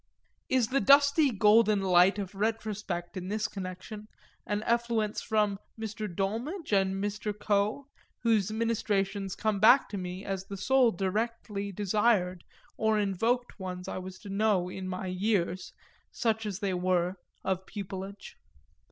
Is the dusty golden light of retrospect in this connection an effluence from Mr. Dolmidge and Mr. Coe, whose ministrations come back to me as the sole directly desired or invoked ones I was to know in my years, such as they were, of pupilage?